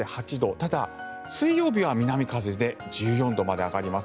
ただ、水曜日は南風で１４度まで上がります。